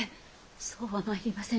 そうはまいりませぬ。